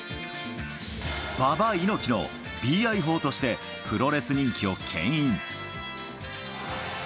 馬場、猪木のＢＩ砲としてプロレス人気をけん引。